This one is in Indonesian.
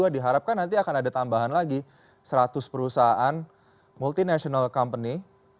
diharapkan nanti akan ada tambahan lagi seratus perusahaan multinational company